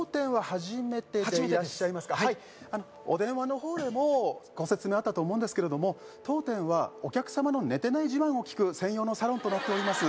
初めてですあのお電話の方でもご説明あったと思うんですけれども当店はお客様の「寝てない自慢」を聞く専用のサロンとなっております